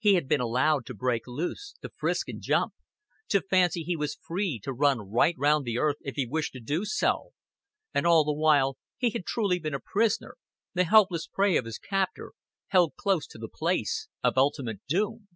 He had been allowed to break loose, to frisk and jump, to fancy he was free to run right round the earth if he wished to do so; and all the while he had truly been a prisoner, the helpless prey of his captor, held close to the place of ultimate doom.